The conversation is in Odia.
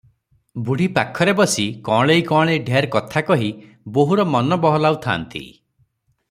ବୁଢ଼ୀ ପାଖରେ ବସି କଅଁଳେଇ କଅଁଳେଇ ଢେର କଥା କହି ବୋହୂର ମନ ବହଲାଉଥାନ୍ତି ।